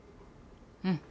うん。